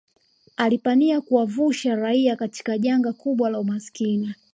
alipania kuwavuusha raia katika jangwa kubwa la umasikini